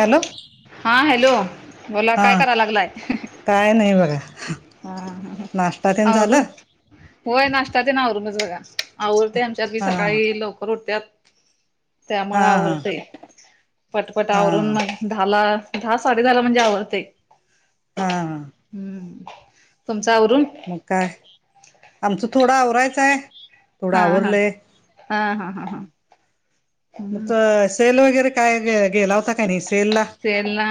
Hello. हा hello बोला हा काय करा लागलाय. काय नाही बघा. हा हा हा नाश्ता तेन झालं आवरून होय नाष्टातेन आवरूनच बघा आवरतयं आमच्यातली हा सकाळी लवकर उठत्यात. हा त्यामुळे हा आवरते पटपट हा आवरून मग दहाला दहा साडे दहाला म्हणजे आवरते. हा. हम्म तुमचं आवरून मग काय आमचं थोडं आवरायचं आहे. थोड हा हा आवरले हा हा हा हा म हम्म तस सेल वगैरे काय ग गेला होता का नाही सेलला. सेलला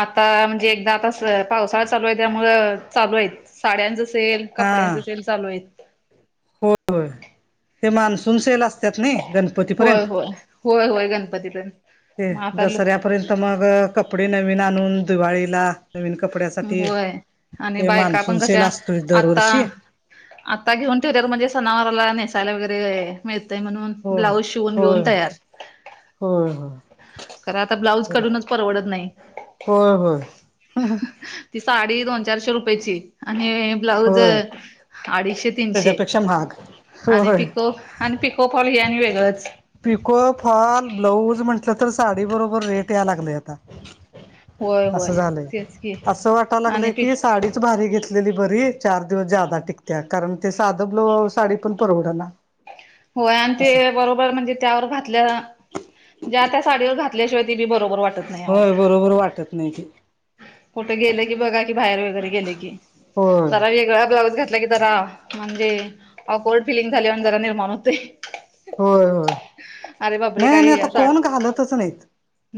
आता म्हणजे एकदा कसं पावसाळा चालू आहे त्यामुळं चालू आहेत. साड्यांच सेल कपड्यांच सेल चालू आहेत. होय ते मान्सून सेल अस होय होय होय होय गणपती पण ते दसऱ्यापर्यंत मग कपडे नवीन आणून दिवाळीला नवीन कपड्यासाठी होय आणि ते बायका मान्सून पण सेल असतोय दरवर्षी आत्ता घेऊन ठेवत्यात म्हणजे सणावराला नेसायला वगैरे मिळतंय म्हणून हो ब्लाऊज शिवून बिऊन तयार हो हो. खरं आता ब्लाऊज काढूनच परवडत नाही. होय होय. ती साडी दोन चारशे रुपयेची आणि ब्लाऊज होय अडीचशे तीनशे त्याच्यापेक्षा महाग. आणि होय. पिको आणि पिको फाँल हे आणि वेगळंच. पिको फॉल ब्लाऊज म्हटलं तर साडी बरोबर रेट याय लागलंय आता. होय होय असं झालंय तेच की असं वाटा आणि लागलंय पि की साडी भारी घेतलेली बरी चार दिवस ज्यादा टिकत्या. कारण ते साधं ब्लाउज साडी पण परवडना. होय आणि ते असं. बरोबर म्हणजे त्यावर घातल्या ज्या त्या साडीवर घातल्याशिवाय ते बी बरोबर वाटतं नाही. अहो होय बरोबर वाटतं नाही. ते कुठं गेले की बघा की बाहेर वगैरे गेले की होय जरा वेगळा ब्लाउज घेत की जरा म्हणजे अपोर्ड फिलिंग झाल्यावर जरा निर्माण होतये. होय होय. नाही आणि आता साठ कोण घालायचं नाहीत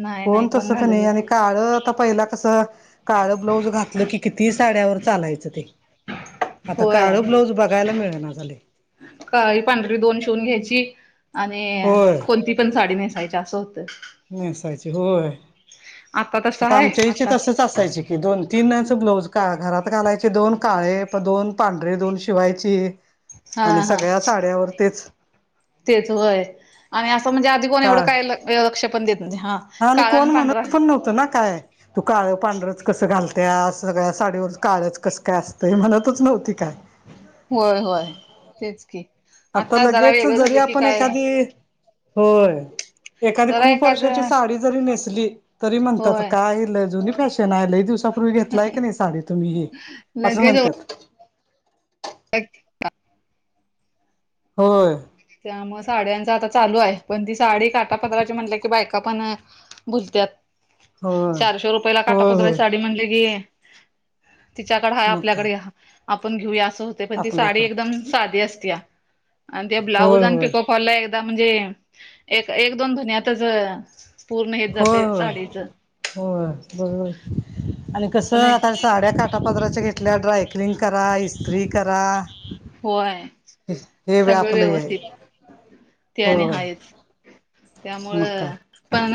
नाही नाही कोण तसं कणी घालत काळं आता पहिला कसं काळं ब्लाऊज घातलं की किती साड्यावर चालायचं ते. आता होय काळ ब्लाऊज बघायला मिळेना झालंय. काळी पांढरी दोन शिवून घ्यायची आणि होय. कोणती पण साडी नेसायची असं च होत. नेसायची होय तसं आता आहे आमच्या आता याच्यात असंच असायचे की दोन तीन ब्लाऊज घरात घालायचे दोन काळे दोन पांढरे दोन शिवायची हा आणि हा सगळ्या साड्यावर तेच तेच व्हयं आणि असं म्हणजे आधी कोण एवढं काळ काय लक्ष पण देत नाही हां काळा आणि कोण पांढरा म्हणत पण नव्हतं ना काय. तू काळं पांढरंच कसं घालत्या सगळ्या साडीवर काळ्याच कसं काय असतंय म्हणतच नव्हती काय. होय होय तेच की. आता जरा लगेच वेगळं जरी झालं की आपण काय एखादी होय. एखादी जरा खूप एखाद वर्षाची साडी जरी नेसली तरी म्हणतात होय कायल जुनी फॅशन. दिवसापूर्वी घेतलाय का नाही साडी तुम्ही हे असं म्हणत. अच. होय. त्यामु साड्यांचा आता चालू आहे पण ती साडी काटापत्राची म्हटल्या की बायका पण भुलत्यात होय चारशे रुपयाला होय काटापद्रची होय साडी म्हणज कि तिच्याकड हा मग काय आपल्याकडे आपण घेऊया असं होते पण ती साडी आपल्याकडं एकदम साधी असती या. ते ब्लाऊज होय आणि होय पिकोपाला एकदा म्हणजे एक एक दोन धुनितच पूर्ण हेेत जाते साडीचं. हो बरोबर आणि कस पण आता साड्या काढ. काटा पद्राच्या घेतल्या ड्रायकलिंग करा इस्त्री करा. होय हे बी सगळं आपलं हे आहे व्यवस्थित ते आणि होय हायचं. मग काय त्यामुळं पण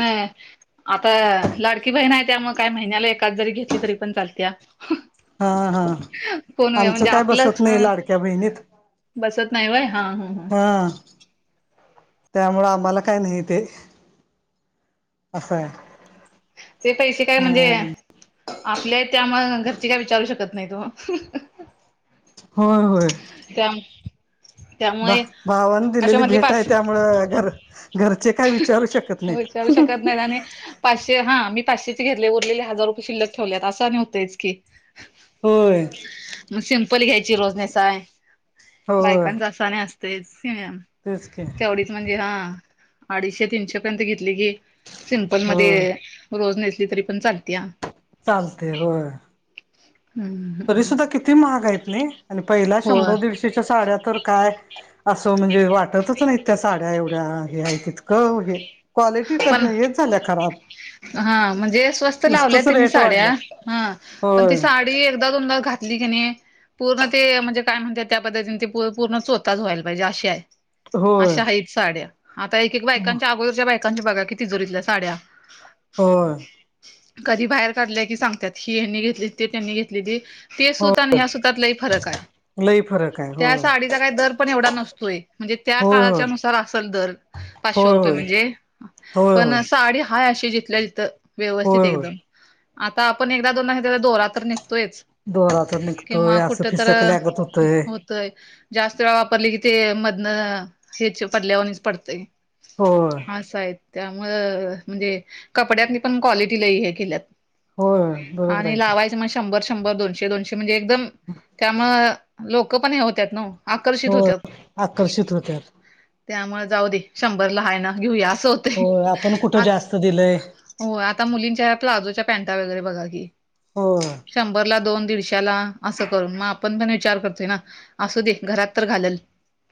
आता लाडकी बहीण आहे त्यामुळं मग काय महिन्याला एखादी जरी घेतली तरी पण चालतीय. हा हा आमचं काय बसत नाही अ लाडक्या बहिणीत. बसत नाही वय हा हा ह त्यामु आम्हाला काही नाही ते असं आहे. ते पैसे काय म्हणजे हा आपल्या त्या म घरची काय विचारू शकत नाही तू. होय होय. त्या बा त्यामुळे भावान अशा दिलेली मधली भेट आहे पाच त्यामुळ घर घरचे काय विचारू शकत विचारू नाहीत. शकत नाही. पाचशे हा मी पाचशेचे घेरले उरलेले हजार रुपये शिल्लक ठेवल्यात असं नवतयच की. होय. मग सिमपल घ्यायची रोजनेसाय बायकांचा असा नाही असते समम तेचक. म्हणजे हा अडीचशे तीनशे पर्यंत घेतली की सिमपल हो मध्ये. रोज नेसली तरी पण चालते ह चालते होय. तरी सुद्धा किती महागा आहेत नाही आणि पहिला होय शंभर दीडशे. च्या साड्या तर काय असं म्हणजे वाटतच नाही त्या साड्या एवढ्या हे त हो हे क्वालिटी तर पण नाही हेच झाल्या खराब हा म्हणजे स्वस्त लावल्या नुसतंच त्यांनी रेट साड्या वाढल्यात. हा पण ती होय साडी एकदा तुम घात ली कि पूर्ण ते म्हणजे काय म्हणते त्या पद्धतीने ते पूर्ण स्वतःच व्हायला पाहिजे अशी आहे. होय अशा हाच साड्या आता एकक बायकांच्या अगोरच्या बायकांच्या बघा कि तिजोरीतल्या साड्या होय कधी बाहेर काढल्या की सांगतात हि यांनी घेतली ते त्यांनी घेतलेली. ते हो सूत आणि ह्या सुतातलाही फरक आहे. लई फरक आहे. त्या होय साडीचा काही दर पण एवढा नसतोय म्हणजे त्या होय काळाच्या होय नुसार असल दर.. पाचशे होय रुपये होय म्हणजे होय होय पण साडी हा अे जिथल्या जिथं व्यवस्थित होय होय एकदम. आता आपण एकदा दोन दोरा तर निघतोयच. दोरात निघतोय किंवा आ स कुठ तर फीसक लाक ोतोय. जास्त वेळा वापरली की ते मधन हच पडल्यावरूनच पडतंय. हो. असं आहे त्यामुं म्हणजे कपड्यातनी पण क्वालिटी ल हे केल्यात. होय बरोबर आणि आहे की लावायचं म्हण शंभर शंभर दोनशे दोनशे म्हणजे एकदम त्यामु लोक पण हे होत्यात नव्ह आकर्षित हो होत्यात. आकर्षित होत्यात त्यामुळे जाऊ दे, शंभर ला हाय ना घेऊया‌ अस होत. हो, आपण कुठं जास्त दिलंय. होय, आता मुलींच्या प्लाझोच्या पॅन्टा वगैरे बघा की. होय शंभरला दोन, दिडशाला. असं करून मग आपण पण विचार करतोय ना, असू दे घरात तर घालल.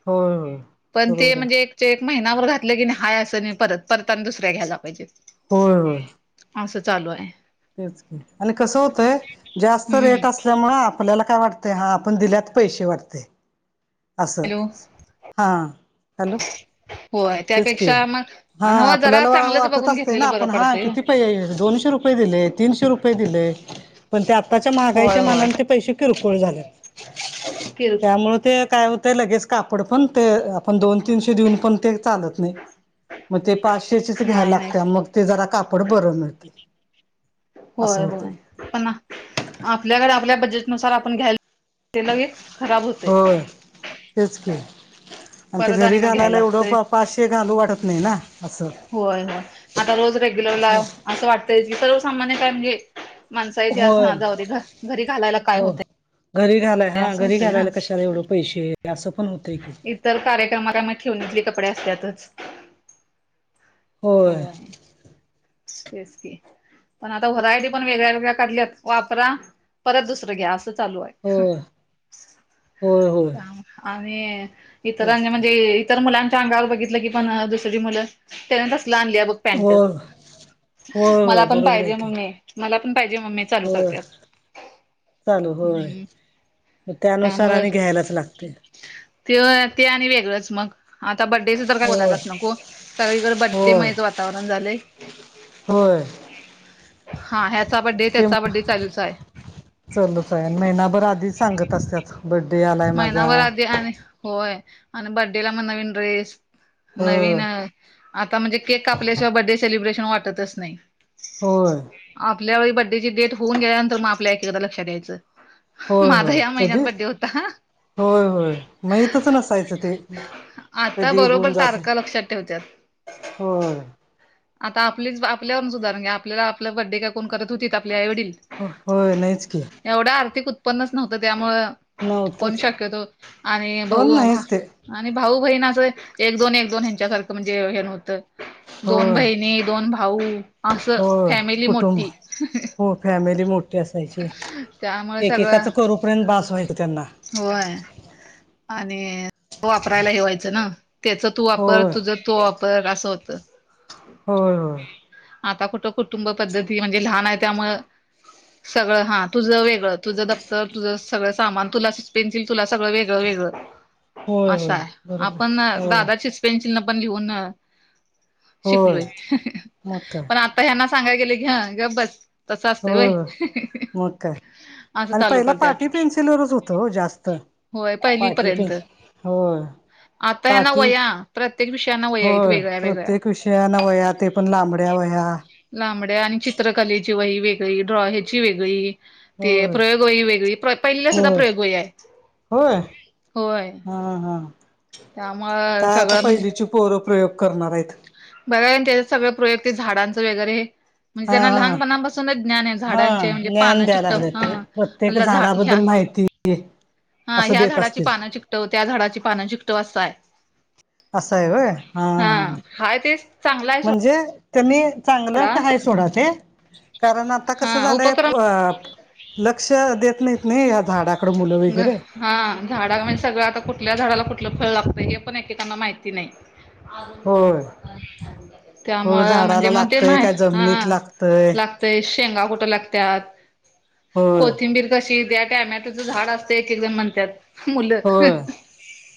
होय होय पण ते बरोबर आहे म्हणजे एक. एक महिना्यावर घातलं की नाही हाय असं, आणी परत, परत आणि दुसऱ्या घ्यायला पाहिजे. होय. असं चालू आहे. तेच, आणि कसं होतंय, जास्त हम्म रेट अस. असल्यामुळे आपल्याला काय वाटतंय, हा आपण दिल्यात पैसे वाटतय. असं हॅलो हां हॅलो! होय तेच की त्यापेक्षा हा मग हो जरा आपल्याला चांगलंच वाटत बघून असते ना घेतलेलं बरं आपण हा पडतंय ओ किती? दोनशे रुपये दि तीनशे रुपये दिले पण ते आताच्या होय महाईच्या माना होय पै किरकोळ झाल्यात. केल. त्यामुळे ते. काय होतय लगेच कापड, पण ते आपण दोन तीनशे देऊन पण ते चालत नाही. मग ते पाचशेचेच घ्यायला नाही नाही लागते, मग ते जरा कापड बरं मिळतय. होय होय. पण, आपल्याकडे आपल्या बजेटनुसार आपण घ्यायला. खराब होतय होय, तेच किआणि ते परत आणि घरी मग घालायला घ्यायला लागतंय एवढं पाचशे. घालू वाटत नाही ना. असं होय, होय, आता रोज रेग्युलर लाअसं वाटतय की सर्व सामान्य काय म्हणजे. माणसा इतिहास होय ना जाऊदे घरी घालायला काय हो होतय? घरी घालाय, हा घरी घालायला कशाला एवढं पैसे असं पण होतय की. तर कार्यक्रमा का म ठेवूनेतले कपडे असतातच. हो, होय आहे तेच की. पण आता वरा आयटि पण वेगळ्या वेगळ्या काढल्यात‌वापरा परत दुसरं घ्या, असं चालू. आहे होय होय होय आणि तेच इतरांनी की म्हणजे. तर मुलांच्या अंगावर बघितलं की पण दुसरी मुलं त्यान तसलं आणली बघ. पॅन्ट होय होय मला होय पण बरोबर आहे पाहिजे की मम्मे मला पण पाहिजे ममी. होय चालू होय. मग त्यानुसार त्यामुळे आणी घ्यायलाच लागतय. ते, ते आणि वेगळंच मग. आता बड्डेच तर काय होय बोलायलाच नको सगळीकडे बड्डे होय म्हयचं वातावरण झालंय. होय, हा, ह्याचा बड्डे, त्याचा बड्डे, चालूच आहे. चालुच आहे, आनी महिनाभर आधीच सांगत असतत, बड्डे आलाय माझा. महिनाभर आधी होय आणि बड्डेला मग नवीन ड्रेस होय नवीन. आता म्हणजे केक कापल्याशिवाय बर्थडे सेलिब्रेशन वाटतच नाही. होय, आपल्या बड्डे ची डेट होऊन गेल्यानंतर मग आपल्या एकी एकदा लक्षात द्यायचं. होय माझा होय या महिन्यात कधी बड्डे होता. होय, होय, माहीतच नसायचं ते आता कधी उघऊन बरोबर जाते. तारखा लक्षात ठेवत्यात होय, आता आपलीच, आपल्यावरून सुधारण घ्या, आपल्याला, आपलं बड्डे काय कोण करत होतीत, आपल्या आई वडील. होय, नाहीच की. एवढं आर्थिक उत्पन्नच नव्हतं त्यामुंळ कोण नव्हतंच शक्यतो आणि भाऊ. कोण नाहीच ते आणि भाऊ बहीण असं एक दोन एक दोन ह्यांच्यासारखं म्हणजे हे नव्हतं दोन बहिणी दोन भाऊ असं हो फॅमिली कुटुंब मोठी हो फॅमिली मोठी ते असायचे त्यामुळे सगळं एकेकाच करूपर्यंत बास व्हायचं त्यांना होय आणि वापरायला हे व्हायचं ना त्याचं तु वापर होय तुझं तो वापर असं होत. हो हो आता कुठं कुटुंब पद्धती म्हणजे लहान आहे त्यामुळे सगळं हा तुझं वेगळं तुझं दफ्तर तुझं सगळं सामान तुलाच पेन्सल तुला सगळं वेगळं वेगळं होय असं होय आहे बरोबर आपण होय दादा पेन्सिल न पण लिहून होय शिकलोय मग काय पण आपण ह्यांना सांगाय गेले की गप्प बस तस असते वय होय होय मग असं चालू करतात च होत हो जास्त पहिली पाटी पर्यंत पेन्सिल होय आता यांना पाटी वया प्रत्येक विषयांना वया आहेत होय वेगळ्या वेगळ्या प्रत्येक विषयाला वहयातेन पण लांबड्या वहया लांबड्या आणि चित्रकलेची वही वेगळी ड्रॉ ह्याची वेगळी ते होय प्रयोगवही वेगळी पहिल्या सुद्धा होय प्रयोगवही आहे. होय होय हा हा त्यामुळं काय आता सगळं म्हणजे पहिली पोर पोर प्रयोग करणार आहेत. बरं त्याच्या सगळं प्रयोग ते झाडांचं वगैरे हे म्हणजे हा त्यांना हा लहानपणापासूनच ज्ञान आहे हा झाडांचे म्हणजे ज्ञान पानं द्यायला चिक्ट लागले ह ह्या एक हा ह्या झाडाची पानं चिकटव त्या झाडाची पानं चिकटव असाय असाय होय हा हा हा ते चांगला आहे चांगलं सोडा आहे सोड ते कारण आता कसं हा झालंय उपक्रम अ लक्ष देत नाहीत नाही ना या झाडाकड मुलं वगैरे हा झाडा म्हणजे सगळं आता कुठल्या झाडाला कुठलं फळ लागतं हे पण एकेकांना माहिती नाही. होय फळ त्यामुळे म्हणजे झाडाला मग लागतय काय जमिनीत ह लागतय लागतय शेंगा कुठ लागतात होय कोथिंबीर कशी त्या टोमॅटोच झाड असते एक एक जण म्हणतात. मुलं होय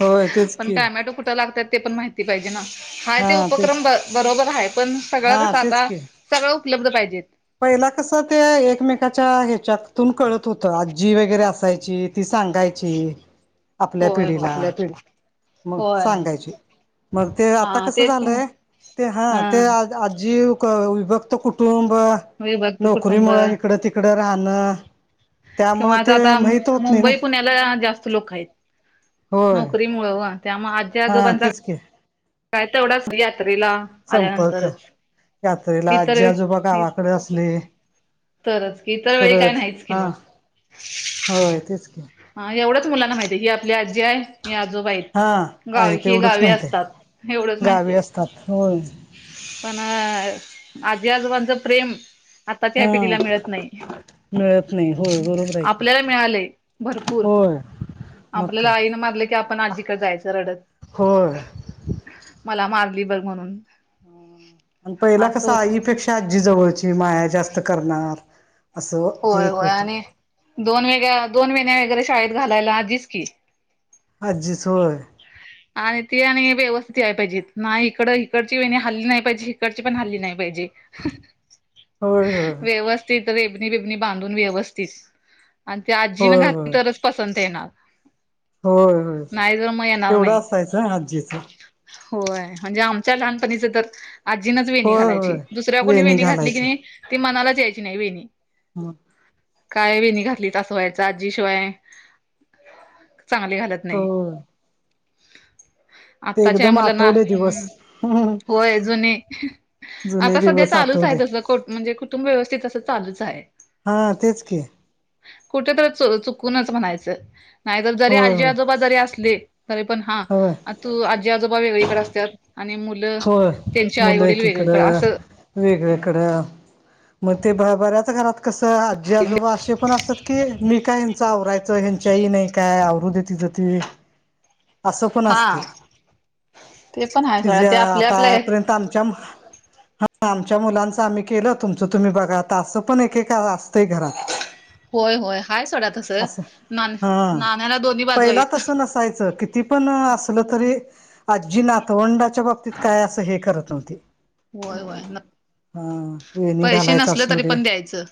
होय तेच पण की टायमॅटो कुठे लागतात ते पण माहिती पाहिजे ना हा ते तेच उपक्रम की बरोबर आहे पण सगळं हा कसं तेच आता की सगळं उपलब्ध पाहिजेत. पहिला कसं ते एकमेकाच्या ह्याच्यातून कळतं होतं आजी वगैरे असायची. ती सांगायची आपल्या होय पिढीला होय मग होय सांगायची मग ते आता हा कसं तेच की झालंय ते हा ते आजी विभक्त कुटुंब विभक्त नोकरी कुटुंब मु इकडे तिकडं इकडं राहणं त्यामुळ किंवा आता ते आता माहित होत नाही ना मुंबई लोक आहेत होय नोकरी मुळे त्यामुळे आजी हा आजोबाचा तेच की काय तेवढाच यात्रेला संपर्क आल्यानंतरच यात्रेला आजी इतर आजोबा गावाकडे असले? तरच की इतर वेळी काय तरच नाहीच की हा मग होय तेच की ह एवढंच मुलांना माहितीय ही आपली आजी आहे ही आजोबा आहेत. हा आहे गावी हे तेवढंच गावी माहित आहे असतात एवढंच माहिती गावी आहे. असतात होय पण आजी आजबांचं प्रेम आताच्या हया हा पीढीला मिळत नाही. मिळत नाही होय बरोबर आहे की आपल्याला मिळालेय भरपूर होय मग आपल्याला काय आईन मारलं की आपण आजीकडे जायचं रडत. होय मला मारली बग म्हणून आणि पहिला कस असं होत आईपेक्षा आजी जवळची माया जास्त करणार असं हे होय एक होय होतं आणि दोन वेगळ्या दोन वेण्या वगैरे शाळेत घालायला आजीच की आजीच होय आणि ती आणि व्यवस्थित या पाहिजे नाही इकड इकडची वेणी हल्ली नाही पाहिजे इकडची पण नाय हल्ली पाजे होय होय व्यव तर रेबनी बिबनी बांधून व्यवस्थित आणि ते आजीन होय घातली होय तरच पसंत येणार होय होय नाही जर मग येणार तेवढं नाही असायचं आजीचं होय म्हणजे आमच्या लहानपणीच तर आजीनच वेणी होय घालायची होय दुसऱ्या कोणी वेणी घातली की घालायचे नाही ती मनालाच यायची नाही वेणी हां काय वेणी घातलीत अस व्हायचा आजीशिवाय चांगले घालत नाही हो ते आत्ताच्या एकदम मुलांना आठवले ह् दिवस होय जूने जुने आता सध्या दिवस चालूच आठवले आहे कु म्हणजे कुटुंब व्यवस्थित असं चालूच आहे. हा तेच की कुठेतरी च चुकूनच म्हणायचं नाहीतर जरी होय आजी होय आजोबा जरी असले तरे पण हा होय आ तू आजी आजोबा वेगळीकडे असतात आणि मु ल होय त्यांच्या आई वडील वेगळे कड अस वेगळेकडें मग ते ब बऱ्याच घरात कसं आजी आजोबा अशे पण असतात की मी काय ह्यांच आवरायचं ह्यांच्याही नाही काय आवरदे तिजं ती असं पण हा असतय ते पण हाय सोडा जे ते आपल्या आपल्या आतापर्यंत आमच्या म हा आमच्या मुलांचं आम्ही केलं तुमचं तुम्ही बघा आत्ता असं पण एकेका असतंय घरात होय होय हाय सोडा तसं असं नान हा नाण्याला दोन्ही बाजू पहिला आहेत तसं नसायचं की ती पण असल तरी आजी नातवंडाच्या बाबतीत काय असं हे करत नव्हती. होय होय हा हेणी पैसे घालायच नसले असू तरी दे पण द्यायचं